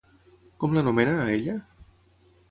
Com l'anomena, a ella?